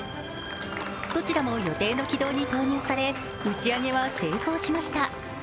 どちらも予定の軌道に投入され打ち上げは成功しました。